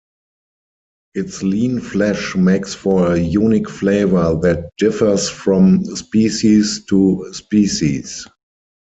Its lean flesh makes for a unique flavor that differs from species to species.